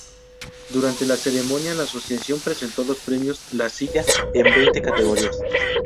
Durante la ceremonia, la Asociación presentó los Premios La Silla en veinte categorías.